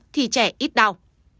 thì trẻ ít đau